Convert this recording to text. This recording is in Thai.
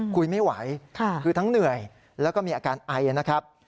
คุยไม่ไหวคือทั้งเหนื่อยแล้วก็มีอาการไอนะครับ